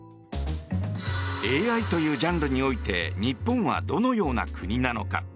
ＡＩというジャンルにおいて日本はどのような国なのか。